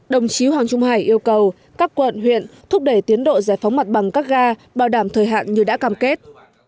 đồng chí hoàng trung hải yêu cầu các quận huyện thúc đẩy tiến độ giải phóng mặt bằng các ga bảo đảm thời hạn như đã cam kết